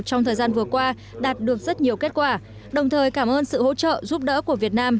trong thời gian vừa qua đạt được rất nhiều kết quả đồng thời cảm ơn sự hỗ trợ giúp đỡ của việt nam